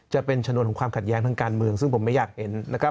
จะเป็นชนวนของความขัดแย้งทางการเมืองซึ่งผมไม่อยากเห็นนะครับ